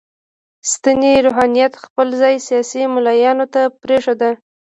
سنتي روحانیت خپل ځای سیاسي ملایانو ته پرېښود.